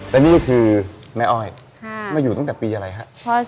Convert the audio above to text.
และนี่คือแม่อ้อยมาอยู่ตั้งแต่ปีอะไรฮะ